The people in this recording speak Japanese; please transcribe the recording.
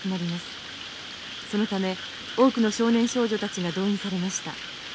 そのため多くの少年少女たちが動員されました。